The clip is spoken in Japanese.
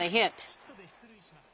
１回、ヒットで出塁します。